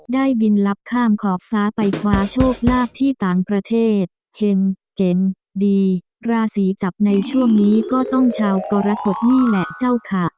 ได้บินลับข้ามขอบฟ้าไปคว้าโชคลาภที่ต่างประเทศเห็นเก่งดีราศีจับในช่วงนี้ก็ต้องชาวกรกฎนี่แหละเจ้าค่ะ